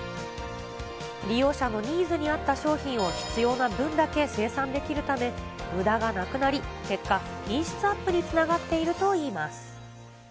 利用者のニーズに合った商品を必要な分だけ生産できるため、、むだがなくなり、結果、品質アップにつながっているといいます。